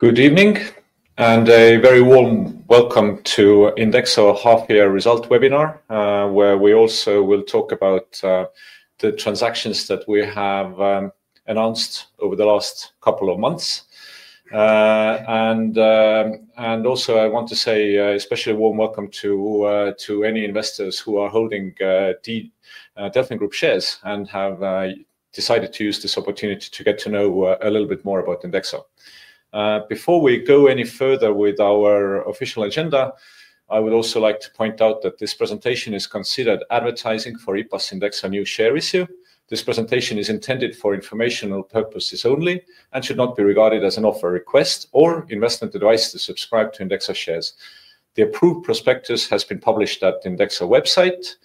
Good evening and a very warm welcome to INDEXO Half-Year Result Webinar, where we also will talk about the transactions that we have announced over the last couple of months. I want to say especially a warm welcome to any investors who are holding the DelfinGroup shares and have decided to use this opportunity to get to know a little bit more about INDEXO. Before we go any further with our official agenda, I would also like to point out that this presentation is considered advertising for IPAS Indexo AS new share issue. This presentation is intended for informational purposes only and should not be regarded as an offer, request, or investment advice to subscribe to INDEXO shares. The approved prospectus has been published at the INDEXO website,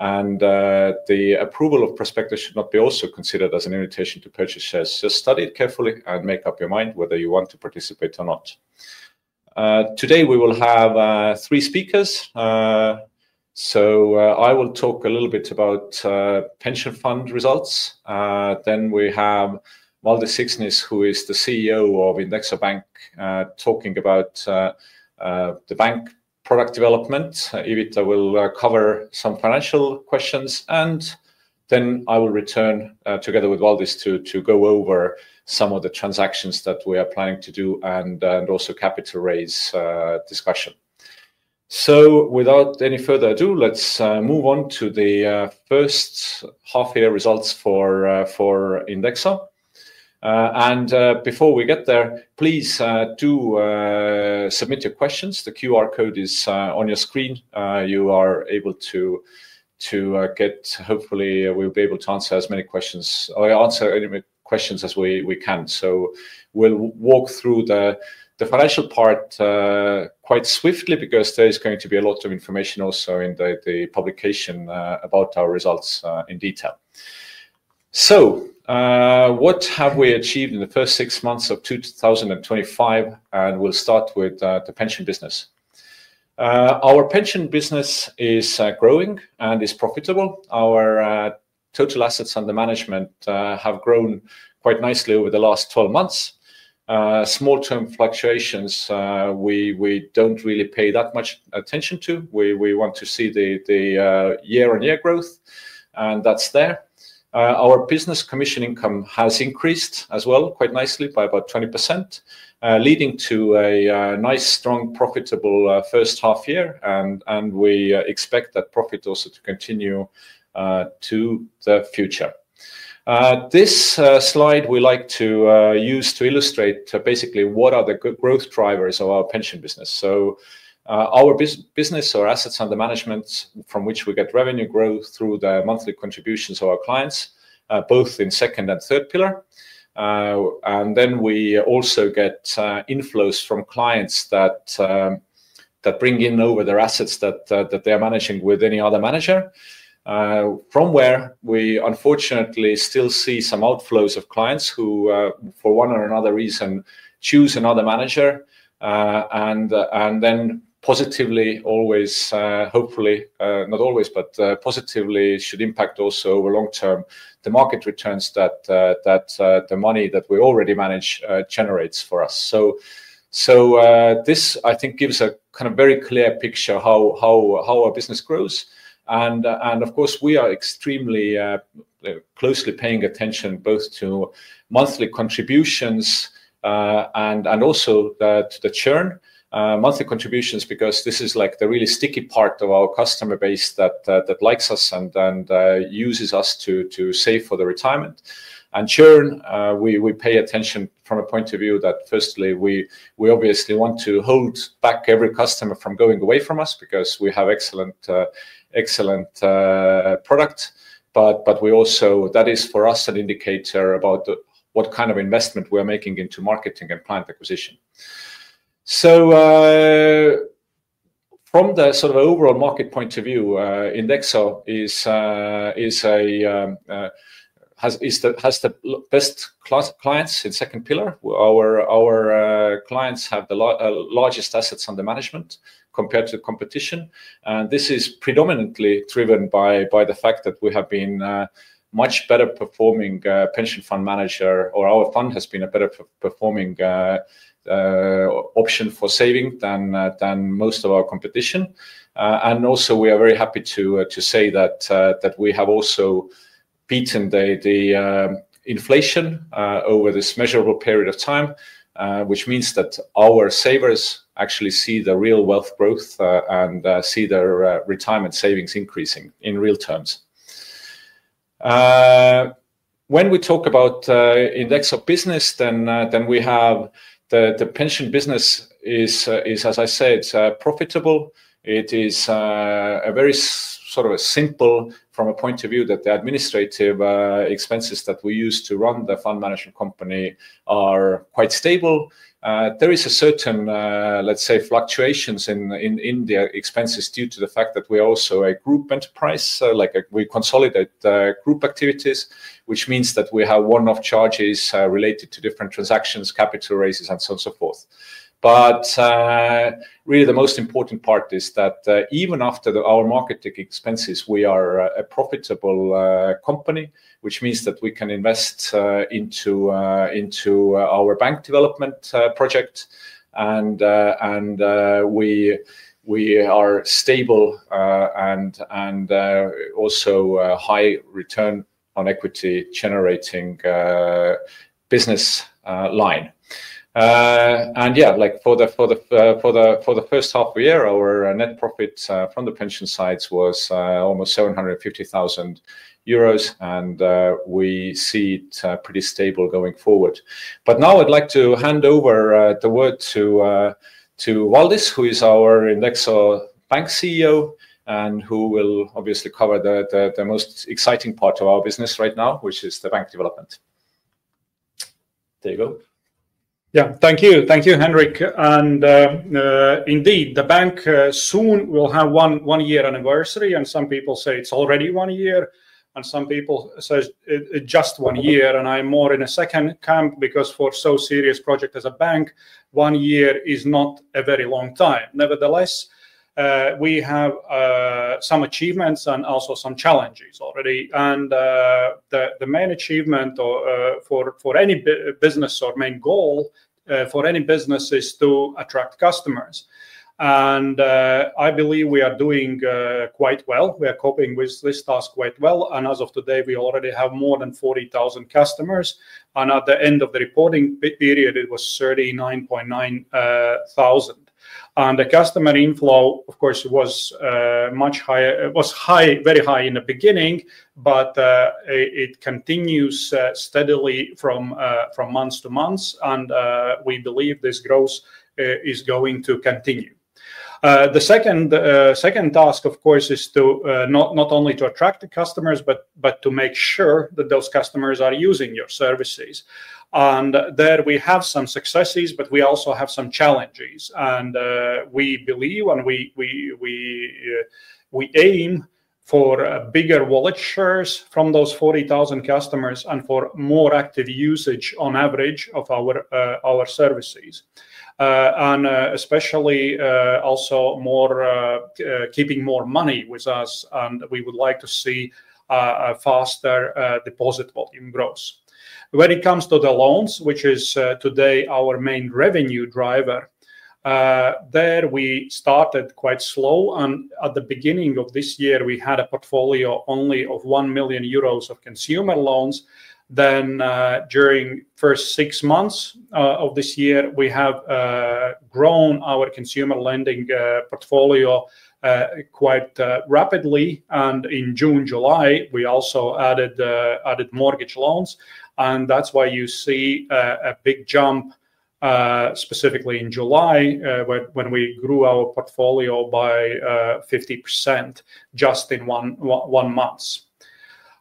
and the approval of prospectus should not be also considered as an invitation to purchase shares. Just study it carefully and make up your mind whether you want to participate or not. Today we will have three speakers. I will talk a little bit about pension fund results. Then we have Valdis Siksnis, who is the CEO of INDEXO Bank, talking about the bank product development. Ivita will cover some financial questions, and then I will return together with Valdis to go over some of the transactions that we are planning to do and also capital raise discussion. Without any further ado, let's move on to the first half-year results for INDEXO. Before we get there, please do submit your questions. The QR code is on your screen. You are able to get, hopefully, we'll be able to answer as many questions or answer any questions as we can. We'll walk through the financial part quite swiftly because there is going to be a lot of information also in the publication about our results in detail. What have we achieved in the first six months of 2025? We'll start with the pension business. Our pension business is growing and is profitable. Our total assets under management have grown quite nicely over the last 12 months. Small-term fluctuations, we don't really pay that much attention to. We want to see the year-on-year growth, and that's there. Our business commission income has increased as well quite nicely by about 20%, leading to a nice strong profitable first half year. We expect that profit also to continue to the future. This slide we like to use to illustrate basically what are the growth drivers of our pension business. Our business or assets under management, from which we get revenue growth through the monthly contributions of our clients, both in second and third pillar. Then we also get inflows from clients that bring in over their assets that they are managing with any other manager. We unfortunately still see some outflows of clients who, for one or another reason, choose another manager. Then positively, hopefully, not always, but positively should impact also over long term the market returns that the money that we already manage generates for us. This I think gives a kind of very clear picture how our business grows. We are extremely closely paying attention both to monthly contributions and also that the churn, monthly contributions, because this is like the really sticky part of our customer base that likes us and uses us to save for the retirement. Churn, we pay attention from a point of view that firstly we obviously want to hold back every customer from going away from us because we have excellent, excellent product. That is for us an indicator about what kind of investment we are making into marketing and client acquisition. From the sort of overall market point of view, INDEXO is a, has the best class of clients in second pillar. Our clients have the largest assets under management compared to the competition. This is predominantly driven by the fact that we have been much better performing pension fund manager or our fund has been a better performing option for saving than most of our competition. We are very happy to say that we have also beaten the inflation over this measurable period of time, which means that our savers actually see the real wealth growth and see their retirement savings increasing in real terms. When we talk about INDEXO business, then we have the pension business is, as I said, profitable. It is a very sort of a simple from a point of view that the administrative expenses that we use to run the fund management company are quite stable. There is a certain, let's say, fluctuation in the expenses due to the fact that we are also a group enterprise, like we consolidate group activities, which means that we have one-off charges related to different transactions, capital raises, and so on and so forth. Really, the most important part is that even after our market expenses, we are a profitable company, which means that we can invest into our bank development project. We are stable and also a high return on equity generating business line. For the first half of the year, our net profit from the pension sides was almost 750,000 euros, and we see it pretty stable going forward. Now I'd like to hand over the word to Valdis, who is our INDEXO Bank CEO and who will obviously cover the most exciting part of our business right now, which is the bank development. There you go. Yeah. Thank you. Thank you, Henrik. Indeed, the bank soon will have one year anniversary. Some people say it's already one year, and some people say it's just one year. I'm more in the second camp because for a so serious project as a bank, one year is not a very long time. Nevertheless, we have some achievements and also some challenges already. The main achievement or, for any business or main goal, for any business is to attract customers. I believe we are doing quite well. We are coping with this task quite well. As of today, we already have more than 40,000 customers. At the end of the reporting period, it was 39,900. The customer inflow, of course, was much higher. It was high, very high in the beginning, but it continues steadily from month to month. We believe this growth is going to continue. The second task, of course, is to not only attract the customers, but to make sure that those customers are using your services. There we have some successes, but we also have some challenges. We believe and we aim for bigger wallet shares from those 40,000 customers and for more active usage on average of our services, and especially also more, keeping more money with us. We would like to see a faster deposit volume growth. When it comes to the loans, which is today our main revenue driver, there we started quite slow. At the beginning of this year, we had a portfolio only of 1 million euros of consumer loans. During the first six months of this year, we have grown our consumer lending portfolio quite rapidly. In June, July, we also added mortgage loans. That's why you see a big jump, specifically in July, when we grew our portfolio by 50% just in one month.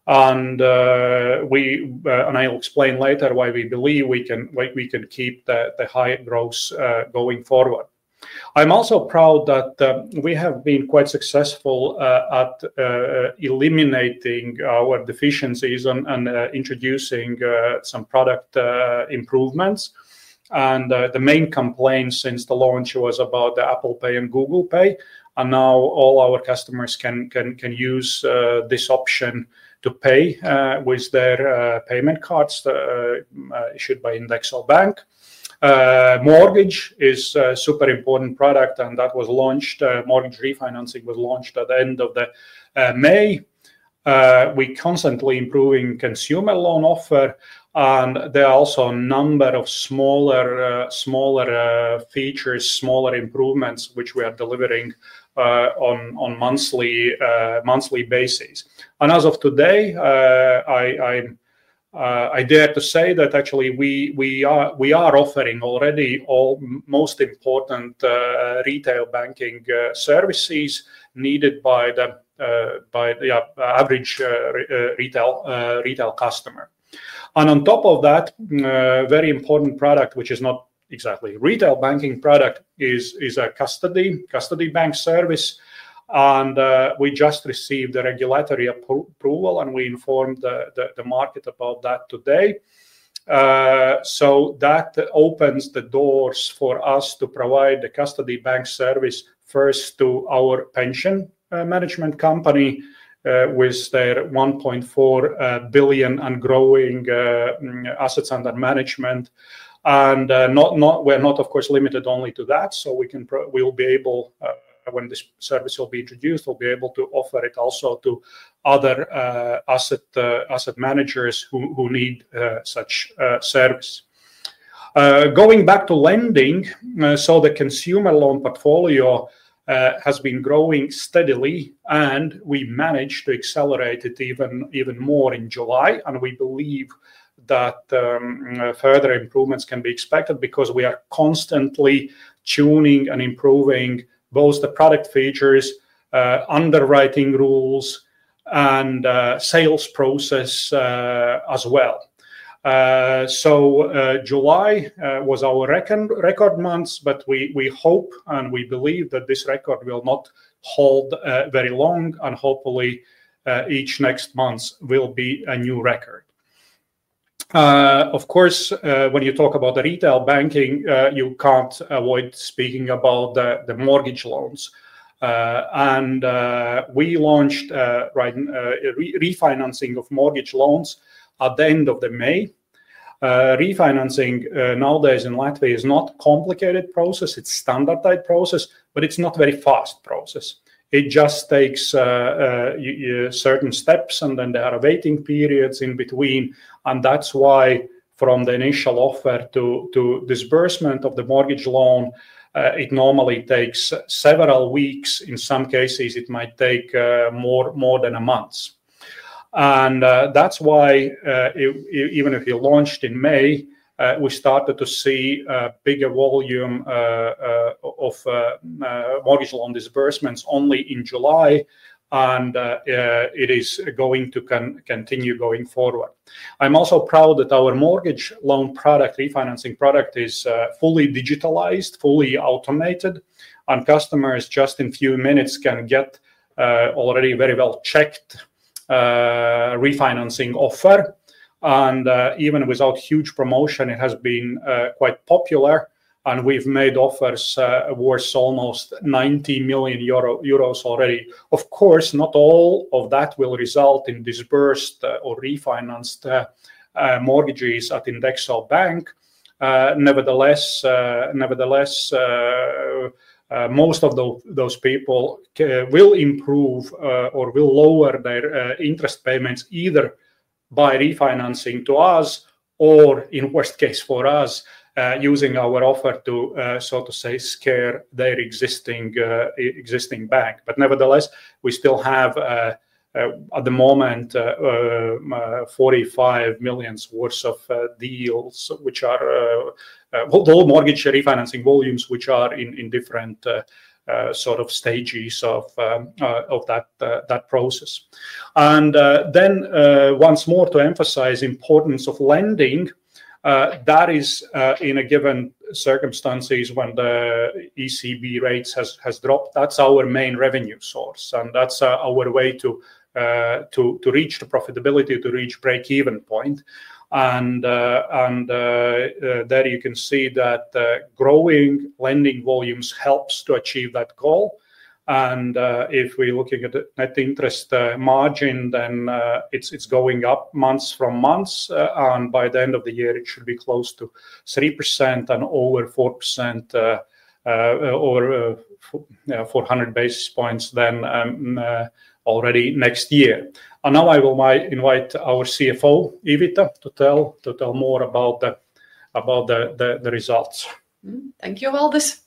I'll explain later why we believe we can keep the high growth going forward. I'm also proud that we have been quite successful at eliminating our deficiencies and introducing some product improvements. The main complaints since the launch were about Apple Pay and Google Pay. Now all our customers can use this option to pay with their payment cards issued by INDEXO Bank. Mortgage is a super important product, and that was launched. Mortgage refinancing was launched at the end of May. We are constantly improving consumer loan offer. There are also a number of smaller features, smaller improvements, which we are delivering on a monthly basis. As of today, I dare to say that actually we are offering already all most important retail banking services needed by the average retail customer. On top of that, a very important product, which is not exactly a retail banking product, is a custody bank service. We just received the regulatory approval, and we informed the market about that today. That opens the doors for us to provide the custody bank service first to our pension management company, with their 1.4 billion and growing assets under management. We are not, of course, limited only to that. We will be able, when this service will be introduced, to offer it also to other asset managers who need such service. Going back to lending, the consumer loan portfolio has been growing steadily, and we managed to accelerate it even more in July. We believe that further improvements can be expected because we are constantly tuning and improving both the product features, underwriting rules, and sales process as well. July was our record month, but we hope and we believe that this record will not hold very long. Hopefully, each next month will be a new record. Of course, when you talk about the retail banking, you can't avoid speaking about the mortgage loans. We launched refinancing of mortgage loans at the end of May. Refinancing nowadays in Latvia is not a complicated process. It's a standard type process, but it's not a very fast process. It just takes certain steps, and then there are waiting periods in between. That's why from the initial offer to disbursement of the mortgage loan, it normally takes several weeks. In some cases, it might take more than a month. That's why, even if you launched in May, we started to see bigger volume of mortgage loan disbursements only in July. It is going to continue going forward. I'm also proud that our mortgage loan product, refinancing product, is fully digitalized, fully automated, and customers just in a few minutes can get already very well checked refinancing offer. Even without huge promotion, it has been quite popular. We've made offers worth almost 90 million euro already. Of course, not all of that will result in disbursed or refinanced mortgages at INDEXO Bank. Nevertheless, most of those people will improve or will lower their interest payments either by refinancing to us or, in worst case for us, using our offer to, so to say, scare their existing bank. Nevertheless, we still have, at the moment, 45 million worth of deals, which are mortgage refinancing volumes, which are in different stages of that process. Once more, to emphasize the importance of lending, that is, in a given circumstance when the ECB rates have dropped. That's our main revenue source. That's our way to reach profitability, to reach break-even point. You can see that growing lending volumes helps to achieve that goal. If we're looking at net interest margin, then it's going up month from month. By the end of the year, it should be close to 3% and over 4%, over 400 basis points, already next year. Now I will invite our CFO, Ivita Asare, to tell more about the results. Thank you, Valdis.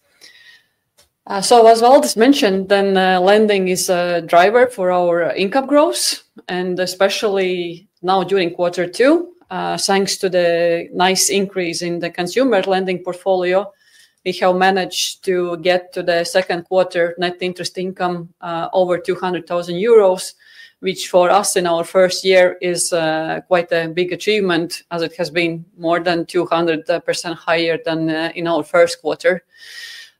As Valdis mentioned, lending is a driver for our income growth. Especially now during quarter two, thanks to the nice increase in the consumer lending portfolio, we have managed to get to the second quarter net interest income, over 200,000 euros, which for us in our first year is quite a big achievement as it has been more than 200% higher than in our first quarter.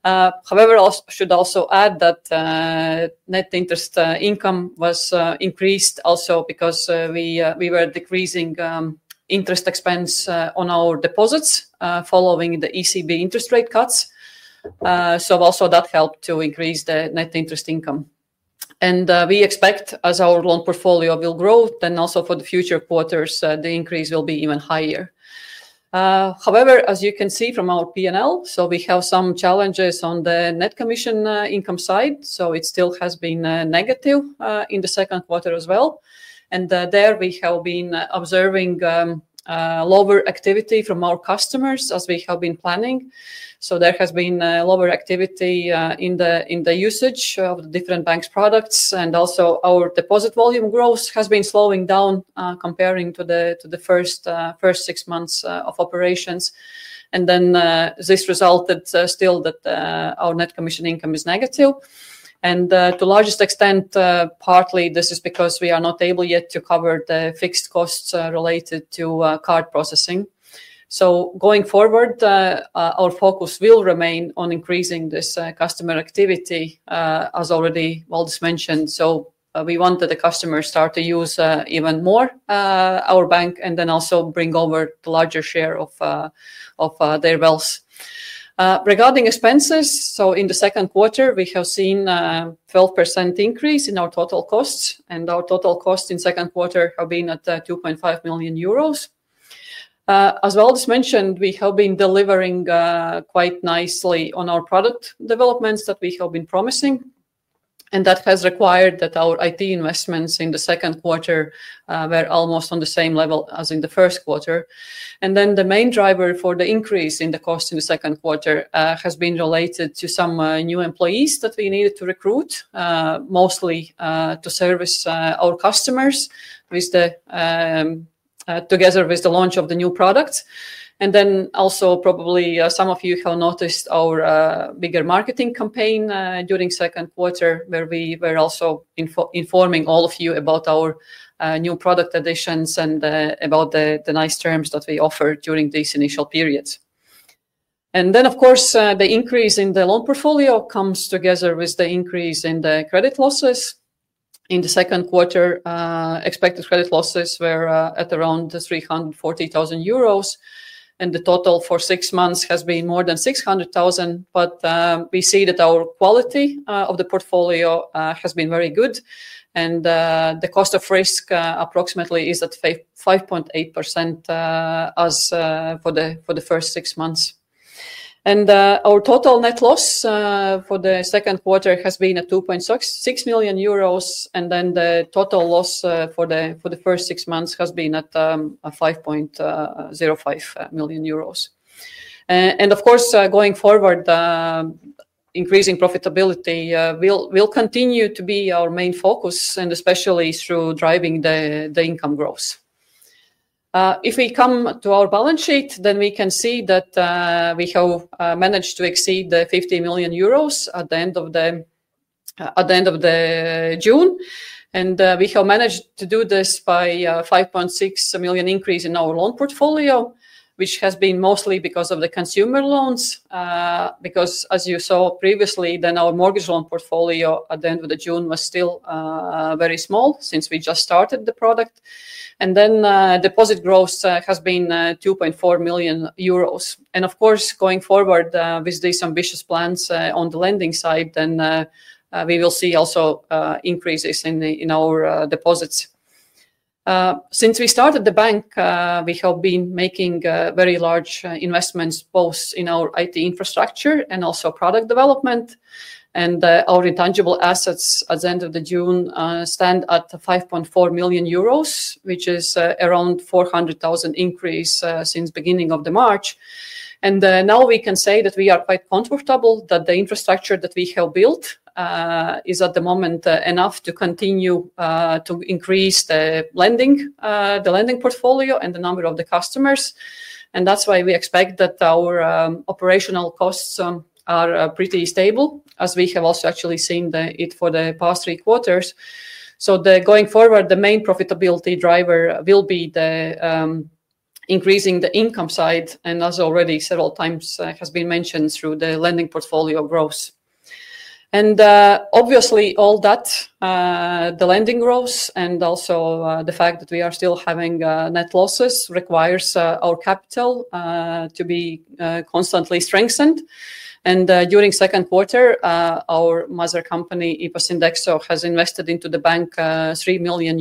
However, I should also add that net interest income was increased also because we were decreasing interest expense on our deposits, following the ECB interest rate cuts. That also helped to increase the net interest income. We expect as our loan portfolio will grow, for the future quarters, the increase will be even higher. However, as you can see from our P&L, we have some challenges on the net commission income side. It still has been negative in the second quarter as well. We have been observing lower activity from our customers as we have been planning. There has been lower activity in the usage of the different banks' products. Our deposit volume growth has been slowing down, comparing to the first six months of operations. This resulted, still, that our net commission income is negative. To the largest extent, partly this is because we are not able yet to cover the fixed costs related to card processing. Going forward, our focus will remain on increasing this customer activity, as already Valdis mentioned. We wanted the customers to start to use even more our bank and also bring over the larger share of their wealth. Regarding expenses, in the second quarter, we have seen a 12% increase in our total costs. Our total costs in the second quarter have been at 2.5 million euros. As Valdis mentioned, we have been delivering quite nicely on our product developments that we have been promising. That has required that our IT investments in the second quarter were almost on the same level as in the first quarter. The main driver for the increase in the cost in the second quarter has been related to some new employees that we needed to recruit, mostly to service our customers together with the launch of the new product. Probably some of you have noticed our bigger marketing campaign during the second quarter where we were also informing all of you about our new product additions and about the nice terms that we offered during this initial period. Of course, the increase in the loan portfolio comes together with the increase in the credit losses. In the second quarter, expected credit losses were at around 340,000 euros, and the total for six months has been more than 600,000. We see that our quality of the portfolio has been very good, and the cost of risk approximately is at 5.8% for the first six months. Our total net loss for the second quarter has been at 2.6 million euros, and the total loss for the first six months has been at 5.05 million euros. Going forward, increasing profitability will continue to be our main focus, especially through driving the income growth. If we come to our balance sheet, we can see that we have managed to exceed the EUR 50 million at the end of June. We have managed to do this by a 5.6 million increase in our loan portfolio, which has been mostly because of the consumer loans. As you saw previously, our mortgage loan portfolio at the end of June was still very small since we just started the product. Deposit growth has been 2.4 million euros. Going forward, with these ambitious plans on the lending side, we will see also increases in our deposits. Since we started the bank, we have been making very large investments both in our IT infrastructure and also product development. Our intangible assets at the end of June stand at 5.4 million euros, which is around 400,000 increase since the beginning of March. Now we can say that we are quite comfortable that the infrastructure that we have built is at the moment enough to continue to increase the lending portfolio and the number of customers. That's why we expect that our operational costs are pretty stable as we have also actually seen it for the past three quarters. Going forward, the main profitability driver will be increasing the income side, as already several times has been mentioned through the lending portfolio growth. Obviously, all that, the lending growth and also the fact that we are still having net losses requires our capital to be constantly strengthened. During the second quarter, our mother company, IPAS Indexo, has invested into the bank, €3 million.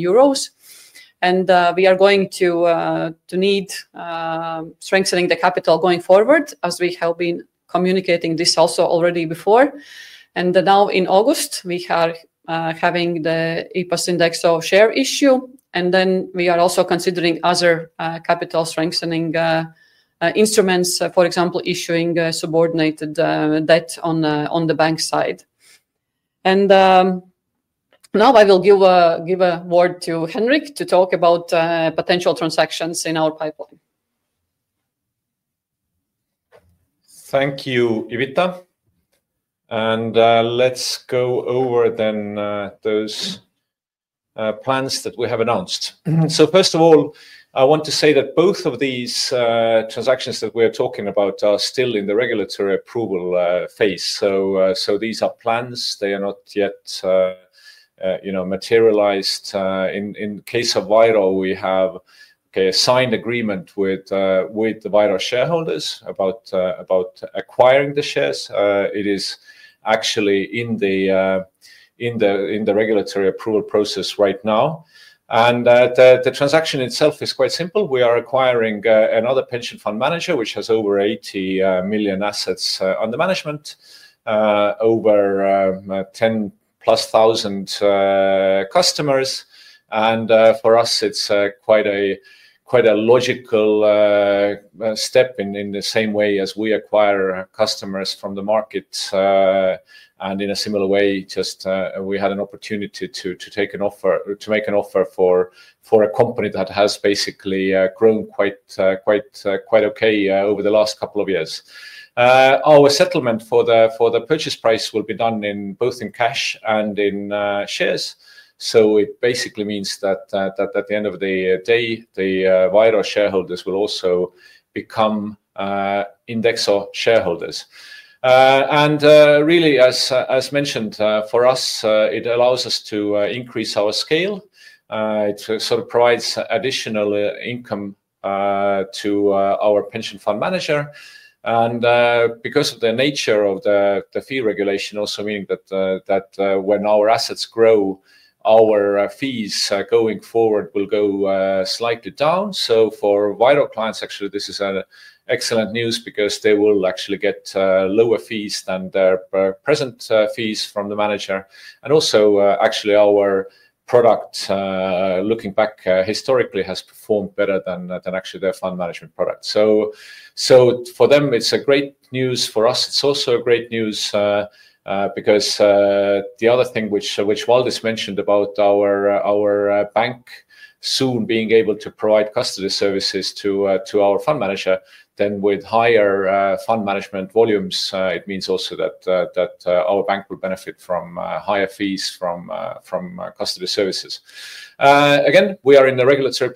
We are going to need strengthening the capital going forward as we have been communicating this also already before. Now in August, we are having the IPAS Indexo share issue. We are also considering other capital strengthening instruments, for example, issuing subordinated debt on the bank side. Now I will give a word to Henrik Karmo to talk about potential transactions in our pipeline. Thank you, Ivita. Let's go over those plans that we have announced. First of all, I want to say that both of these transactions that we are talking about are still in the regulatory approval phase. These are plans. They are not yet materialized. In the case of VIRO, we have a signed agreement with the VIRO shareholders about acquiring the shares. It is actually in the regulatory approval process right now. The transaction itself is quite simple. We are acquiring another pension fund manager, which has over 80 million assets under management, over 10,000+ customers. For us, it's quite a logical step in the same way as we acquire customers from the market. In a similar way, we had an opportunity to make an offer for a company that has basically grown quite well over the last couple of years. Our settlement for the purchase price will be done both in cash and in shares. It basically means that at the end of the day, the VIRO shareholders will also become INDEXO shareholders. As mentioned, for us, it allows us to increase our scale. It provides additional income to our pension fund manager. Because of the nature of the fee regulation, also meaning that when our assets grow, our fees going forward will go slightly down. For VIRO clients, actually, this is excellent news because they will actually get lower fees than their present fees from the manager. Also, our product, looking back historically, has performed better than their fund management product. For them, it's great news. For us, it's also great news because the other thing which Valdis mentioned about our bank soon being able to provide custody bank services to our fund manager, then with higher fund management volumes, it means also that our bank will benefit from higher fees from custody bank services. We are in the regulatory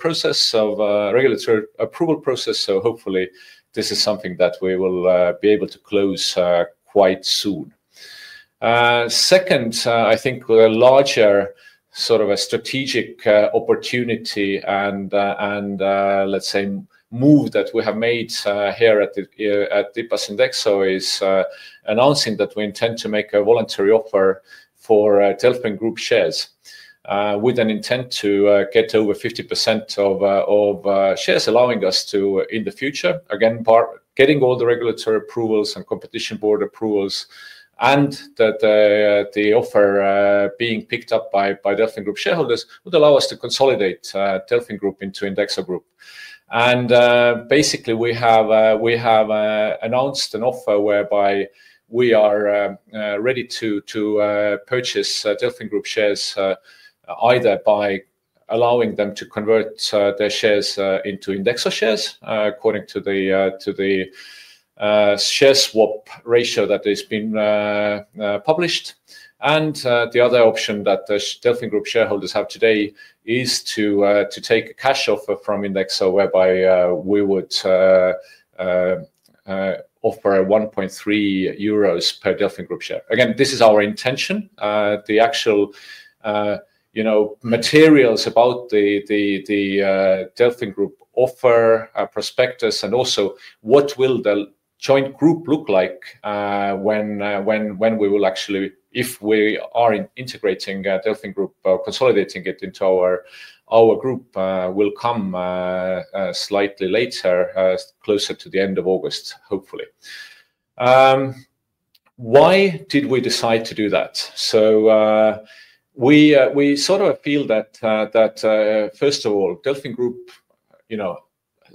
approval process. Hopefully, this is something that we will be able to close quite soon. Second, I think a larger sort of a strategic opportunity and, let's say, move that we have made here at IPAS Indexo AS is announcing that we intend to make a voluntary offer for DelfinGroup shares, with an intent to get over 50% of shares, allowing us to, in the future, again, getting all the regulatory approvals and competition board approvals, and that the offer being picked up by DelfinGroup shareholders would allow us to consolidate DelfinGroup into INDEXO Group. Basically, we have announced an offer whereby we are ready to purchase DelfinGroup shares, either by allowing them to convert their shares into INDEXO shares according to the share swap ratio that has been published. The other option that the DelfinGroup shareholders have today is to take a cash offer from INDEXO whereby we would offer 1.3 euros per DelfinGroup share. Again, this is our intention. The actual materials about the DelfinGroup offer, prospectus, and also what the joint group will look like when we are actually, if we are integrating DelfinGroup, consolidating it into our group, will come slightly later, closer to the end of August, hopefully. Why did we decide to do that? We sort of appeal that, first of all, DelfinGroup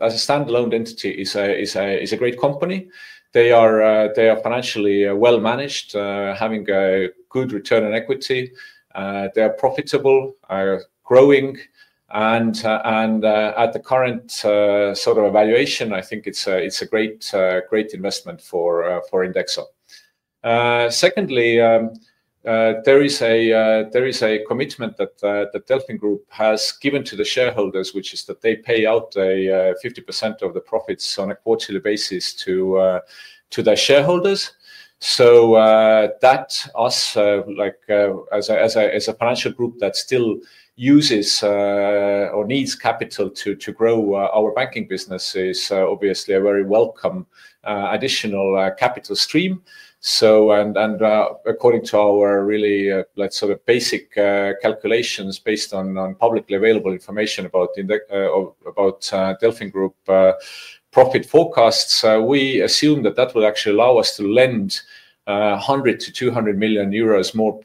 as a standalone entity is a great company. They are financially well managed, having a good return on equity. They are profitable, growing, and at the current sort of evaluation, I think it's a great investment for INDEXO. Secondly, there is a commitment that DelfinGroup has given to the shareholders, which is that they pay out 50% of the profits on a quarterly basis to their shareholders. That, as a financial group that still uses or needs capital to grow our banking business, is obviously a very welcome additional capital stream. According to our really, let's say, the basic calculations based on publicly available information about DelfinGroup profit forecasts, we assume that would actually allow us to lend 100 million-200 million euros more,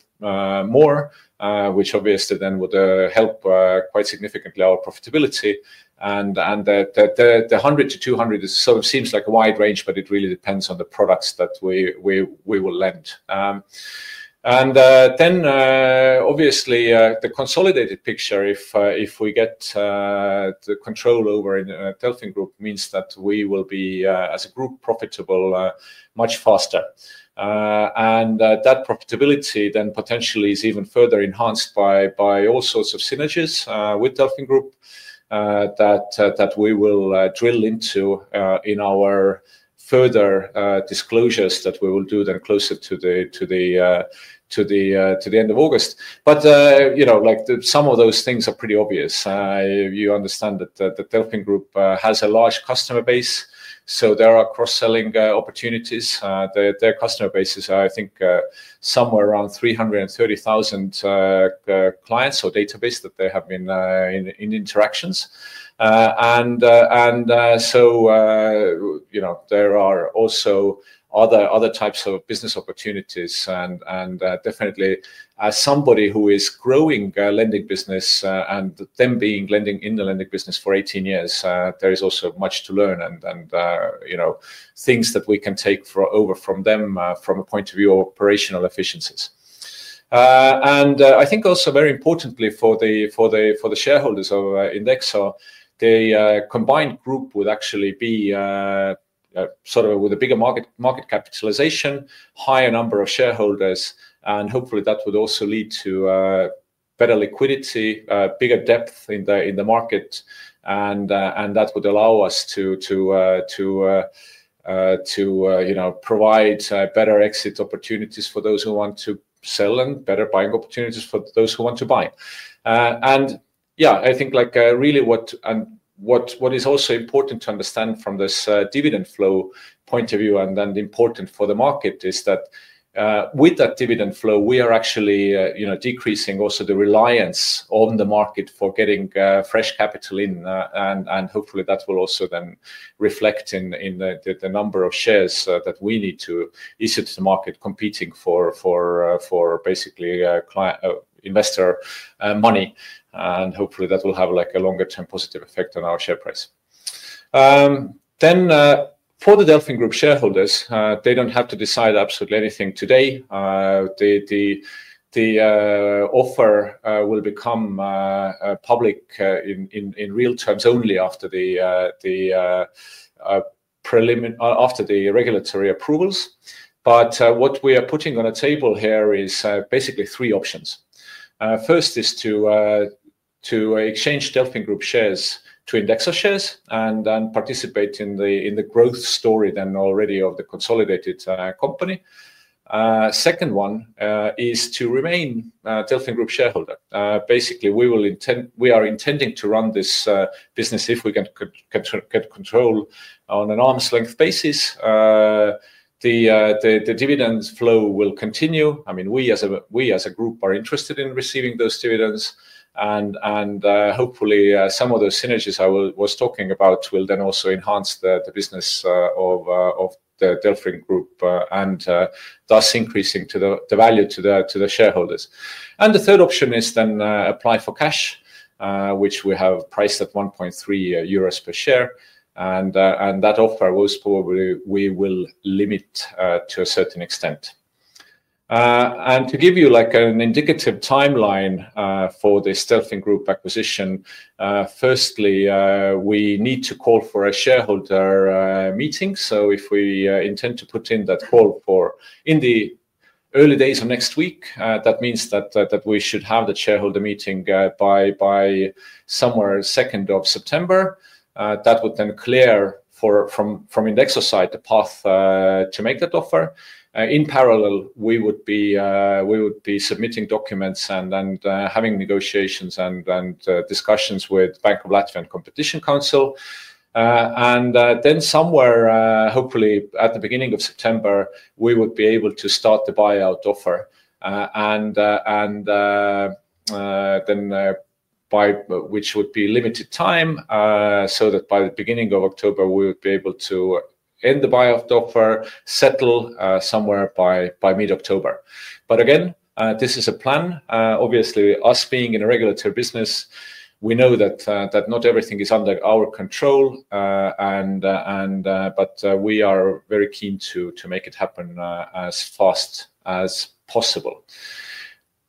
which obviously then would help quite significantly our profitability. That 100 million-200 million sort of seems like a wide range, but it really depends on the products that we will lend. Obviously, the consolidated picture, if we get control over DelfinGroup, means that we will be, as a group, profitable much faster. That profitability then potentially is even further enhanced by all sorts of synergies with DelfinGroup that we will drill into in our further disclosures that we will do closer to the end of August. Some of those things are pretty obvious. You understand that DelfinGroup has a large customer base, so there are cross-selling opportunities. Their customer base is, I think, somewhere around 330,000 clients or database that they have been in interactions. There are also other types of business opportunities. Definitely, as somebody who is growing a lending business and then being in the lending business for 18 years, there is also much to learn and things that we can take over from them from a point of view of operational efficiencies. I think also very importantly for the shareholders of INDEXO, the combined group would actually be with a bigger market capitalization, higher number of shareholders, and hopefully that would also lead to better liquidity, bigger depth in the market. That would allow us to provide better exit opportunities for those who want to sell and better buying opportunities for those who want to buy. I think what is also important to understand from this dividend flow point of view and important for the market is that with that dividend flow, we are actually decreasing also the reliance on the market for getting fresh capital in. Hopefully, that will also then reflect in the number of shares that we need to issue to the market competing for basically client, investor, and money. Hopefully, that will have a longer-term positive effect on our share price. For the DelfinGroup shareholders, they don't have to decide absolutely anything today. The offer will become public in real terms only after the preliminary, after the regulatory approvals. What we are putting on the table here is basically three options. First is to exchange DelfinGroup shares to INDEXO shares and then participate in the growth story of the consolidated company. Second one is to remain a DelfinGroup shareholder. Basically, we are intending to run this business, if we can get control, on an arm's length basis. The dividends flow will continue. We as a group are interested in receiving those dividends, and hopefully some of those synergies I was talking about will also enhance the business of DelfinGroup, thus increasing the value to the shareholders. The third option is to apply for cash, which we have priced at 1.3 euros per share, and that offer we will probably limit to a certain extent. To give you an indicative timeline for this DelfinGroup acquisition, firstly, we need to call for a shareholder meeting. If we intend to put in that call in the early days of next week, that means we should have the shareholder meeting by somewhere around the second of September. That would then clear from INDEXO side the path to make that offer. In parallel, we would be submitting documents and having negotiations and discussions with the Bank of Latvia and Competition Council. Hopefully, at the beginning of September, we would be able to start the buyout offer, which would be a limited time, so that by the beginning of October, we would be able to end the buyout offer and settle somewhere by mid-October. Again, this is a plan. Obviously, us being in a regulatory business, we know that not everything is under our control, but we are very keen to make it happen as fast as possible.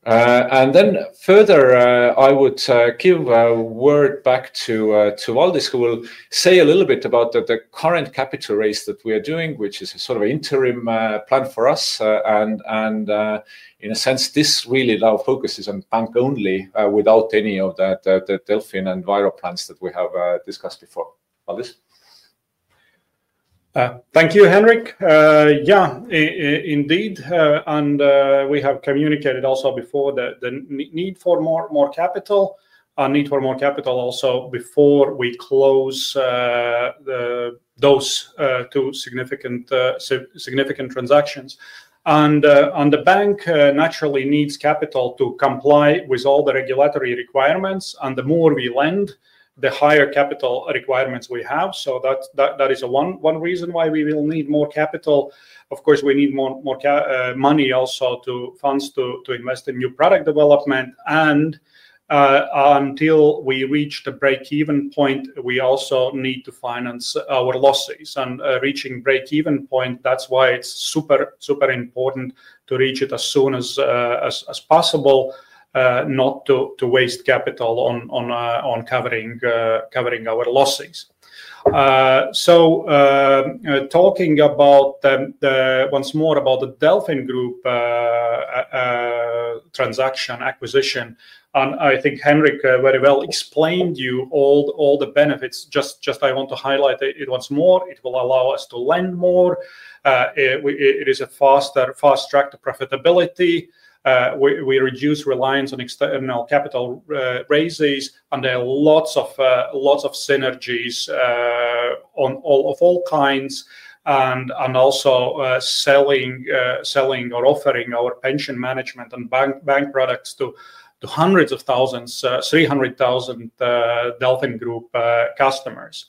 Further, I would give a word back to Valdis, who will say a little bit about the current capital raise that we are doing, which is a sort of an interim plan for us. In a sense, this really now focuses on bank only, without any of the DelfinGroup and VIRO plans that we have discussed before. Valdis? Thank you, Henrik. Yeah, indeed. We have communicated also before the need for more capital, a need for more capital also before we close those two significant transactions. The bank naturally needs capital to comply with all the regulatory requirements. The more we lend, the higher capital requirements we have. That is one reason why we will need more capital. Of course, we need more money, also funds to invest in new product development. Until we reach the break-even point, we also need to finance our losses. Reaching break-even point, that's why it's super important to reach it as soon as possible, not to waste capital on covering our losses. Talking once more about the DelfinGroup transaction acquisition, I think Henrik very well explained to you all the benefits. I just want to highlight it once more. It will allow us to lend more. It is a fast track to profitability. We reduce reliance on external capital raises, and there are lots of synergies of all kinds. Also, selling or offering our pension management and bank products to hundreds of thousands, 300,000, DelfinGroup customers.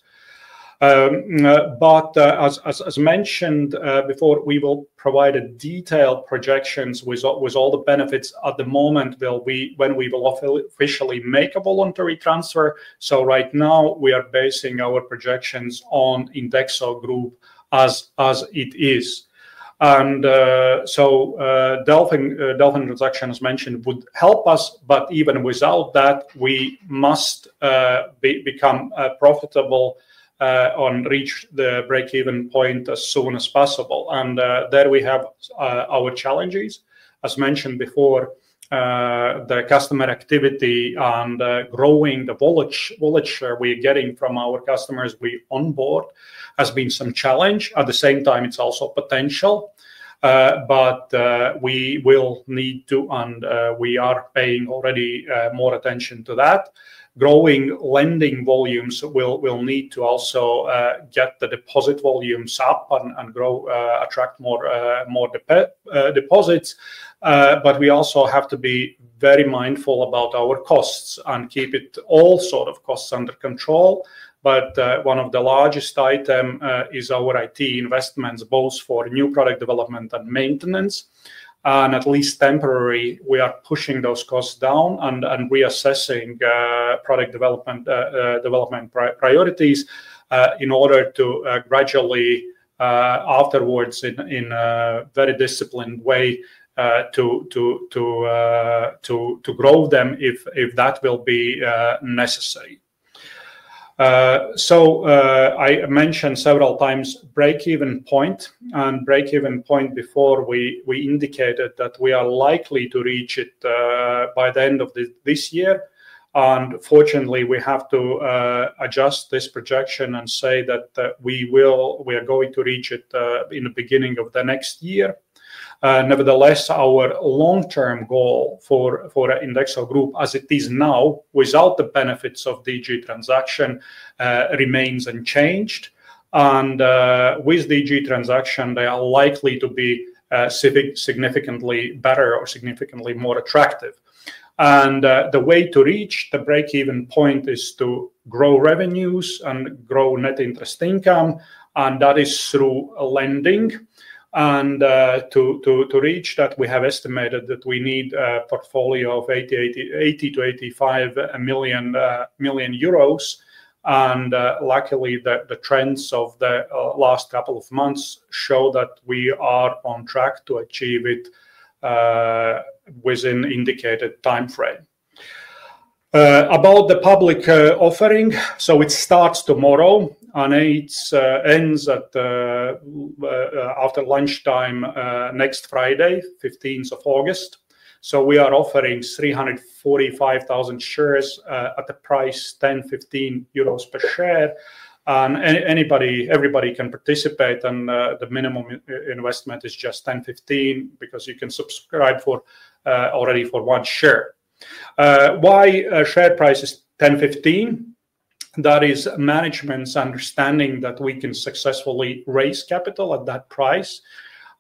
As mentioned before, we will provide a detailed projection with all the benefits at the moment when we will officially make a voluntary transfer. Right now, we are basing our projections on INDEXO Group as it is. The DelfinGroup transaction, as mentioned, would help us. Even without that, we must become profitable and reach the break-even point as soon as possible. There we have our challenges. As mentioned before, the customer activity and growing the volatility we are getting from our customers we onboard has been some challenge. At the same time, it's also potential. We will need to, and we are paying already, more attention to that. Growing lending volumes will need to also get the deposit volumes up and attract more deposits. We also have to be very mindful about our costs and keep all costs under control. One of the largest items is our IT investments, both for new product development and maintenance. At least temporarily, we are pushing those costs down and reassessing product development priorities in order to gradually, afterwards, in a very disciplined way, grow them if that will be necessary. I mentioned several times break-even point. Break-even point, before, we indicated that we are likely to reach it by the end of this year. Fortunately, we have to adjust this projection and say that we are going to reach it in the beginning of next year. Nevertheless, our long-term goal for INDEXO Group as it is now, without the benefits of the DG transaction, remains unchanged. With the DG transaction, they are likely to be significantly better or significantly more attractive. The way to reach the break-even point is to grow revenues and grow net interest income, and that is through lending. To reach that, we have estimated that we need a portfolio of 80 million-85 million euros. Luckily, the trends of the last couple of months show that we are on track to achieve it within the indicated time frame. About the public offering, it starts tomorrow and it ends after lunchtime next Friday, 15th of August. We are offering 345,000 shares at a price of 10.15 euros per share, and anybody, everybody can participate. The minimum investment is just 10.15 because you can subscribe for already one share. Why is the share price 10.15? That is management's understanding that we can successfully raise capital at that price,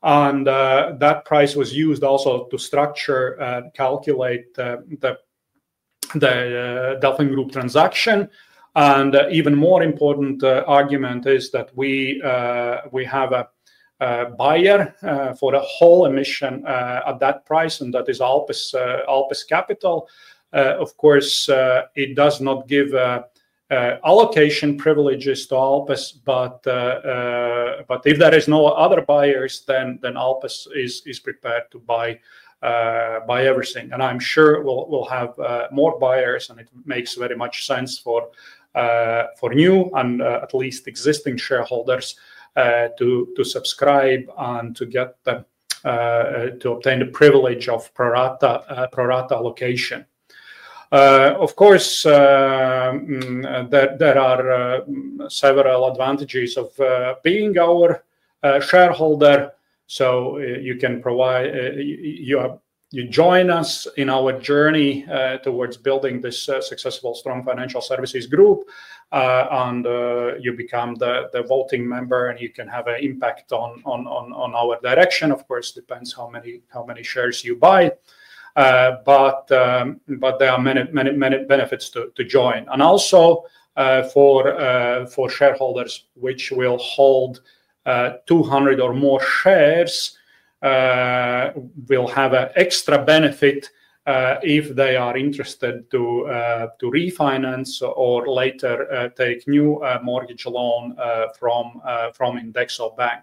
and that price was used also to structure, calculate the DelfinGroup transaction. Even more important argument is that we have a buyer for the whole emission at that price, and that is Alpes Capital. Of course, it does not give allocation privileges to Alpes, but if there are no other buyers, then Alpes is prepared to buy everything. I'm sure we'll have more buyers, and it makes very much sense for new and at least existing shareholders to subscribe and to obtain the privilege of pro rata allocation. Of course, there are several advantages of being our shareholder. You join us in our journey towards building this successful, strong financial services group, and you become the voting member and you can have an impact on our direction. Of course, it depends how many shares you buy, but there are many, many benefits to join. Also, for shareholders which will hold 200 or more shares, there will be an extra benefit if they are interested to refinance or later take a new mortgage loan from INDEXO Bank.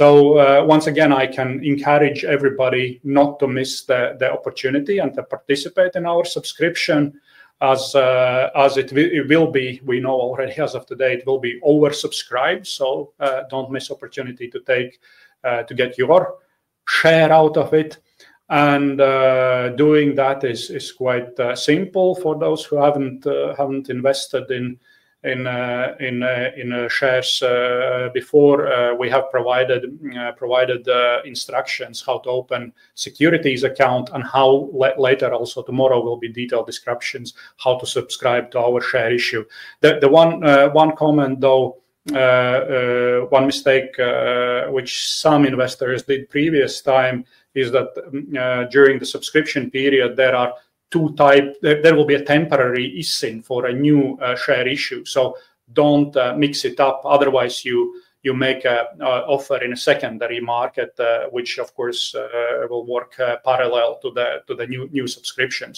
Once again, I can encourage everybody not to miss the opportunity and to participate in our subscription as it will be. We know already as of today it will be oversubscribed. Don't miss the opportunity to get your share out of it. Doing that is quite simple for those who haven't invested in shares before. We have provided instructions how to open a securities account and how later, also tomorrow, there will be detailed descriptions how to subscribe to our share issue. One comment though, one mistake which some investors did previous time is that during the subscription period, there are two types. There will be a temporary issuing for a new share issue. Don't mix it up. Otherwise, you make an offer in a secondary market, which will work parallel to the new subscription.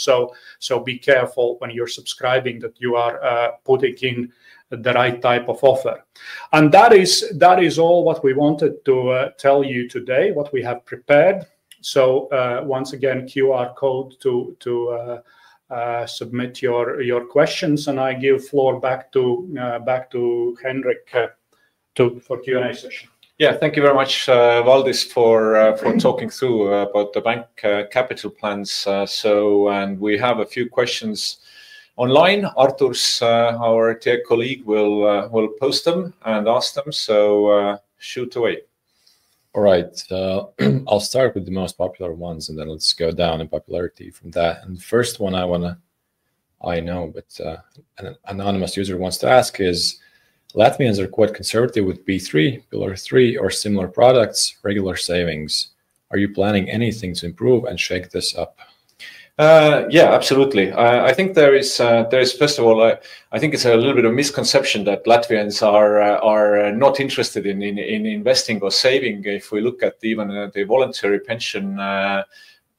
Be careful when you're subscribing that you are putting in the right type of offer. That is all what we wanted to tell you today, what we have prepared. Once again, QR code to submit your questions. I give floor back to Henrik for Q&A session. Thank you very much, Valdis, for talking through about the bank capital plans. We have a few questions online. Artūrs, our dear colleague, will post them and ask them. Shoot away. All right. I'll start with the most popular ones, then let's go down in popularity from that. The first one I want to, I know, but an anonymous user wants to ask is, Latvians are quite conservative with B3, pillar three, or similar products, regular savings. Are you planning anything to improve and shake this up? Yeah, absolutely. I think there is, first of all, I think it's a little bit of a misconception that Latvians are not interested in investing or saving. If we look at even the voluntary pension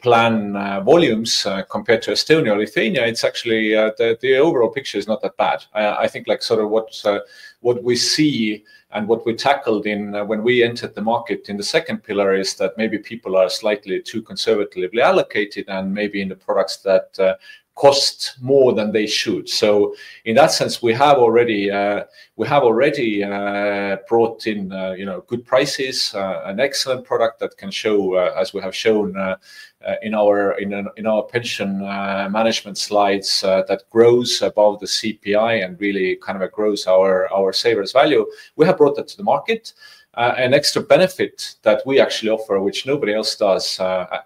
plan volumes compared to Estonia or Lithuania, it's actually, the overall picture is not that bad. I think what we see and what we tackled when we entered the market in the second pillar is that maybe people are slightly too conservatively allocated and maybe in the products that cost more than they should. In that sense, we have already brought in good prices, an excellent product that can show, as we have shown in our pension management slides, that grows above the CPI and really kind of grows our savers' value. We have brought that to the market. An extra benefit that we actually offer, which nobody else does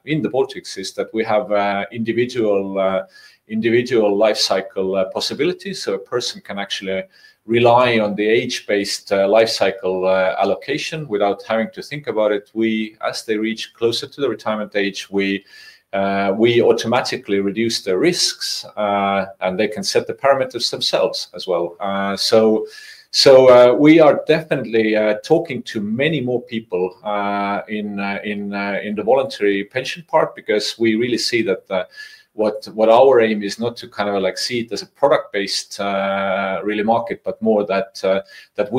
in the Baltics, is that we have individual life cycle possibilities. A person can actually rely on the age-based life cycle allocation without having to think about it. As they reach closer to the retirement age, we automatically reduce their risks, and they can set the parameters themselves as well. We are definitely talking to many more people in the voluntary pension part because we really see that our aim is not to see it as a product-based market, but more that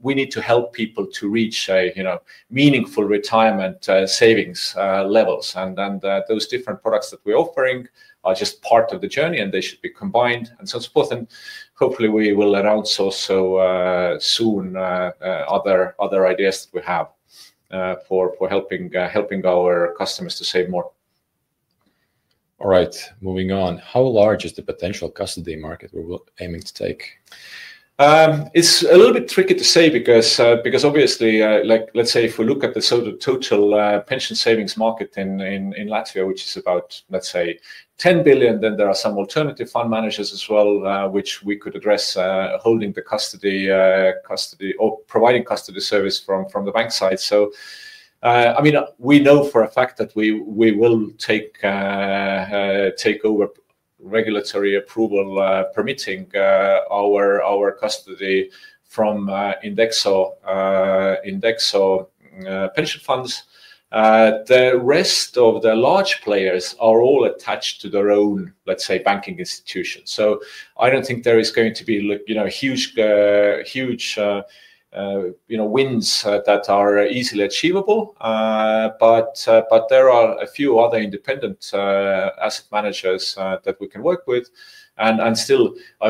we need to help people to reach a meaningful retirement savings level. Those different products that we're offering are just part of the journey and they should be combined and so forth. Hopefully, we will announce also soon other ideas that we have for helping our customers to save more. All right. Moving on, how large is the potential custody market we are aiming to take? It's a little bit tricky to say because, obviously, like, let's say if we look at the sort of total pension savings market in Latvia, which is about $10 billion, then there are some alternative fund managers as well, which we could address, holding the custody or providing custody service from the bank side. I mean, we know for a fact that we will take over, regulatory approval permitting, our custody from INDEXO pension funds. The rest of the large players are all attached to their own banking institution. I don't think there is going to be huge wins that are easily achievable. There are a few other independent asset managers that we can work with. I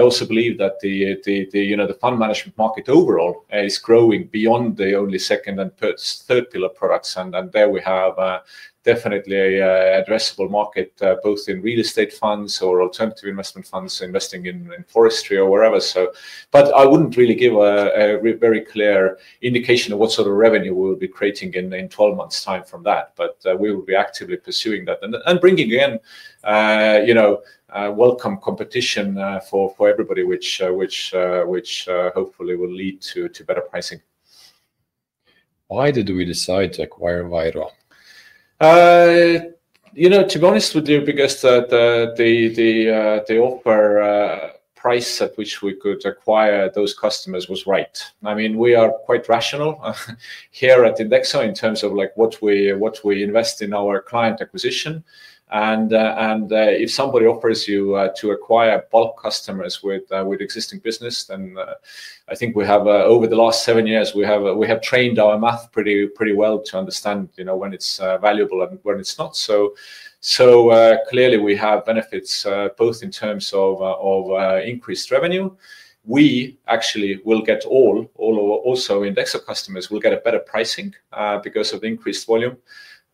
also believe that the fund management market overall is growing beyond the only second and third pillar products. There we have definitely an addressable market, both in real estate funds or alternative investment funds investing in forestry or wherever. I wouldn't really give a very clear indication of what sort of revenue we'll be creating in 12 months' time from that. We will be actively pursuing that and bringing in welcome competition for everybody, which hopefully will lead to better pricing. Why did we decide to acquire VIRO? To be honest with you, because the offer price at which we could acquire those customers was right. I mean, we are quite rational here at INDEXO in terms of what we invest in our client acquisition. If somebody offers you to acquire bulk customers with existing business, then I think we have, over the last seven years, trained our math pretty well to understand when it's valuable and when it's not. Clearly, we have benefits both in terms of increased revenue. We actually will get all of our also INDEXO customers will get a better pricing because of the increased volume.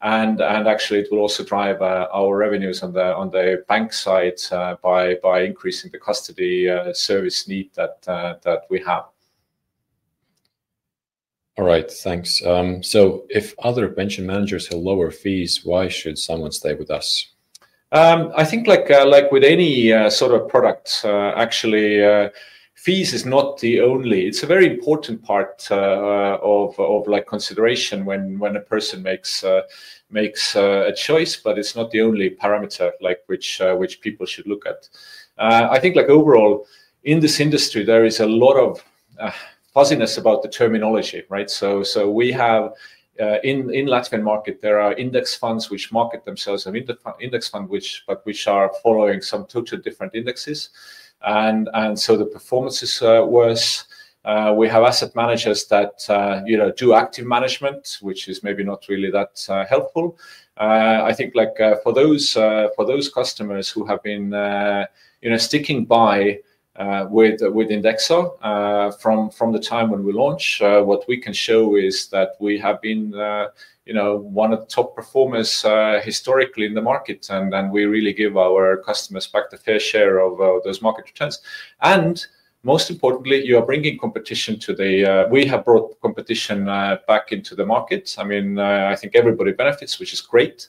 It will also drive our revenues on the bank side by increasing the custody service need that we have. All right. Thanks. If other pension managers have lower fees, why should someone stay with us? I think, like with any sort of product, fees is not the only, it's a very important part of consideration when a person makes a choice, but it's not the only parameter which people should look at. I think overall, in this industry, there is a lot of fuzziness about the terminology, right? We have, in the Latvian market, there are index funds which market themselves as index funds, but which are following some totally different indexes, and so the performance is worse. We have asset managers that do active management, which is maybe not really that helpful. I think for those customers who have been sticking by with INDEXO from the time when we launched, what we can show is that we have been one of the top performers historically in the market. We really give our customers back the fair share of those market returns. Most importantly, we have brought competition back into the market. I think everybody benefits, which is great.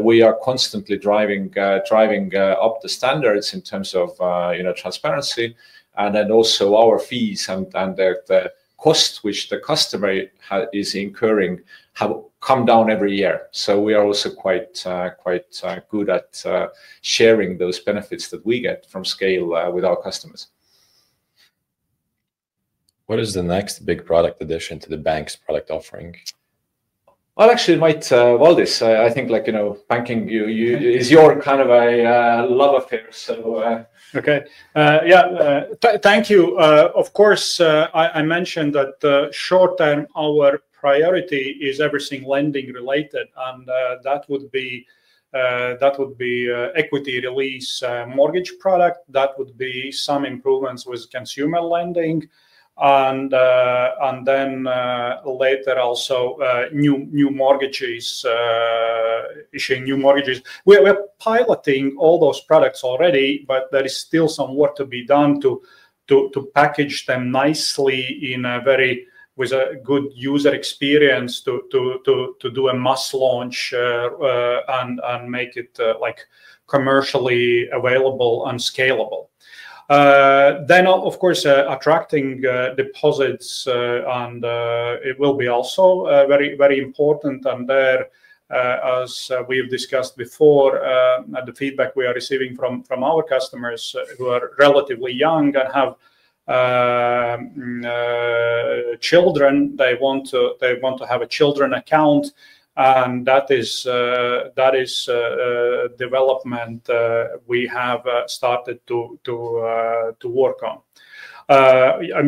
We are constantly driving up the standards in terms of transparency. Also, our fees and the cost which the customer is incurring have come down every year. We are also quite good at sharing those benefits that we get from scale with our customers. What is the next big product addition to the bank's product offering? Actually, it might, Valdis. I think, like, you know, banking is your kind of a love affair. Okay. Yeah. Thank you. Of course, I mentioned that short term, our priority is everything lending related. That would be equity release, mortgage product. That would be some improvements with consumer lending. Later also, new mortgages, issuing new mortgages. We're piloting all those products already, but there is still some work to be done to package them nicely with a good user experience to do a mass launch and make it commercially available and scalable. Of course, attracting deposits will be also very, very important. As we've discussed before, the feedback we are receiving from our customers who are relatively young and have children, they want to have a children account. That is development we have started to work on. I mean,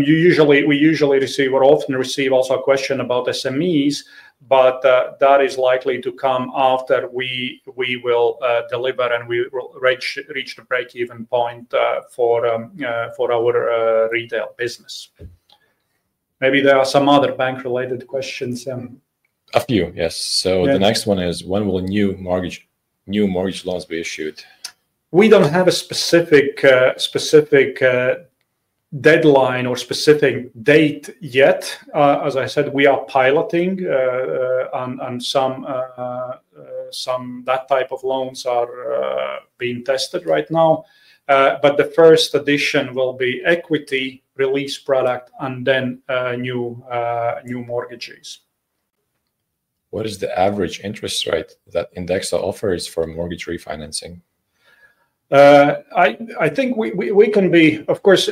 we usually receive, or often receive also a question about SMEs, but that is likely to come after we deliver and we reach the break-even point for our retail business. Maybe there are some other bank-related questions. After you. Yes. The next one is, when will new mortgage loans be issued? We don't have a specific deadline or specific date yet. As I said, we are piloting, and some of that type of loans are being tested right now. The first addition will be equity release product and then new mortgages. What is the average interest rate that INDEXO offers for mortgage refinancing? I think we can be, of course,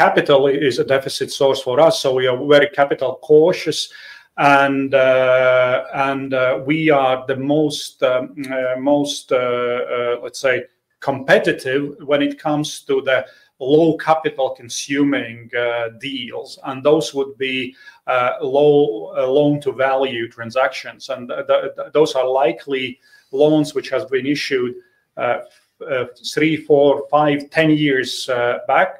capital is a deficit source for us. We are very capital cautious, and we are the most, let's say, competitive when it comes to the low capital consuming deals. Those would be low loan-to-value transactions, and those are likely loans which have been issued three, four, five, ten years back,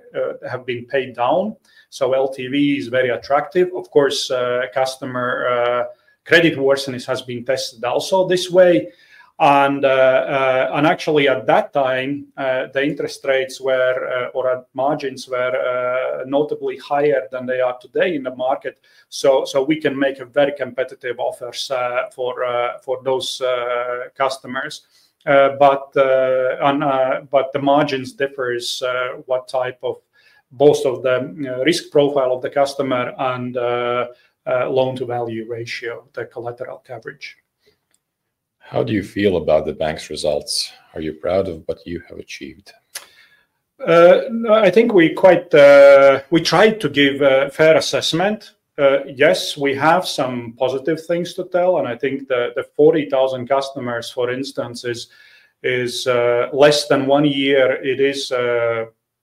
have been paid down, so LTV is very attractive. Of course, customer credit worseness has been tested also this way. Actually, at that time, the interest rates or margins were notably higher than they are today in the market. We can make a very competitive offer for those customers, but the margins differ, both for the risk profile of the customer and loan-to-value ratio, the collateral coverage. How do you feel about the bank's results? Are you proud of what you have achieved? No, I think we tried to give a fair assessment. Yes, we have some positive things to tell. I think the 40,000 customers, for instance, is less than one year. It is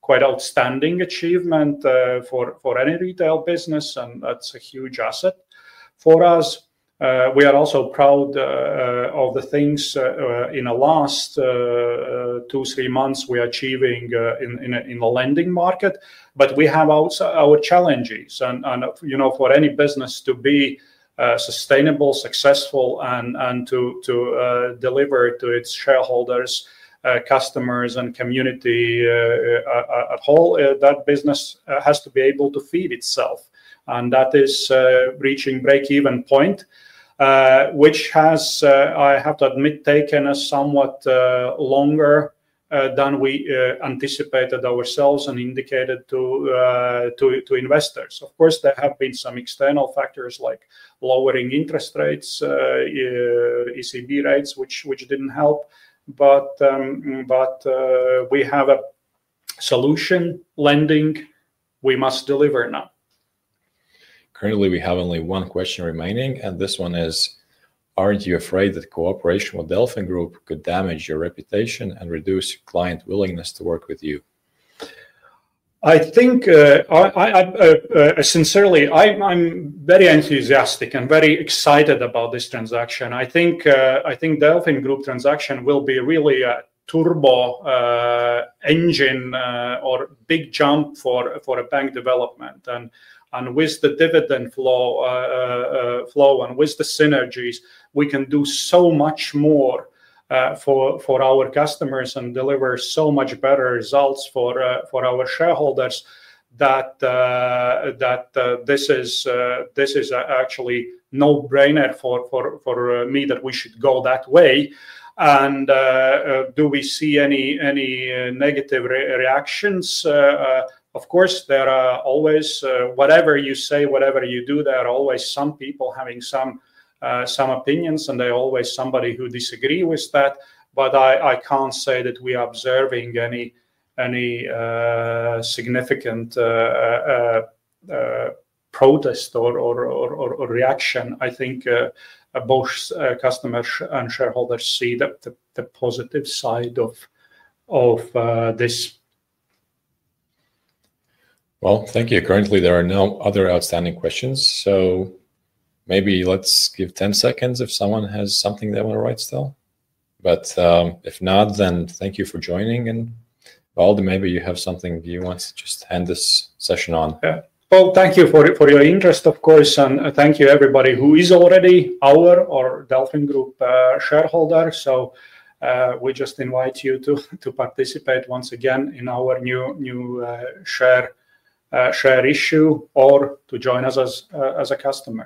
quite an outstanding achievement for any retail business, and that's a huge asset for us. We are also proud of the things in the last two, three months we are achieving in the lending market. We have also our challenges. You know, for any business to be sustainable, successful, and to deliver to its shareholders, customers, and community, that business has to be able to feed itself. That is reaching break-even point, which, I have to admit, has taken us somewhat longer than we anticipated ourselves and indicated to investors. Of course, there have been some external factors like lowering interest rates, ECB rates, which didn't help. We have a solution lending. We must deliver now. Currently, we have only one question remaining. This one is, aren't you afraid that cooperation with DelfinGroup could damage your reputation and reduce client willingness to work with you? I think I'm sincerely, I am very enthusiastic and very excited about this transaction. I think the DelfinGroup transaction will be really a turbo engine or big jump for a bank development. With the dividend flow and with the synergies, we can do so much more for our customers and deliver so much better results for our shareholders that this is actually a no-brainer for me that we should go that way. Do we see any negative reactions? Of course, there are always, whatever you say, whatever you do, there are always some people having some opinions, and there's always somebody who disagrees with that. I can't say that we are observing any significant protest or reaction. I think both customers and shareholders see the positive side of this. Thank you. Currently, there are no other outstanding questions. Maybe let's give 10 seconds if someone has something they want to write still. If not, then thank you for joining. Valdis, maybe you have something you want to just end this session on. Thank you for your interest, of course. Thank you everybody who is already our or DelfinGroup shareholder. We just invite you to participate once again in our new share issue or to join us as a customer.